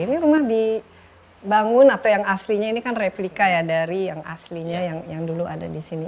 ini rumah dibangun atau yang aslinya ini kan replika ya dari yang aslinya yang dulu ada di sini